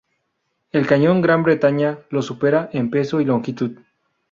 El cañón Gran Berta le supera en peso y longitud.